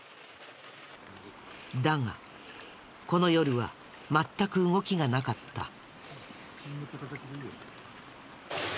だがこの夜は全く動きがなかった。